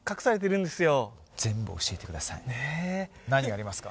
何がありますか？